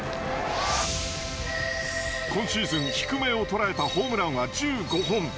今シーズン低めをとらえたホームランは１５本。